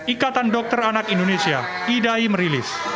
ikatan dokter anak indonesia idai merilis